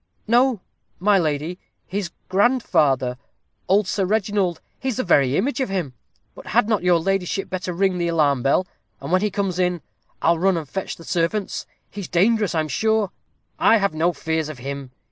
"No, my lady, his grandfather old Sir Reginald. He's the very image of him. But had not your ladyship better ring the alarm bell? and when he comes in, I'll run and fetch the servants he's dangerous, I'm sure." "I have no fears of him.